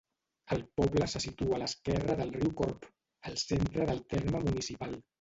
El poble se situa a l'esquerra del riu Corb, al centre del terme municipal.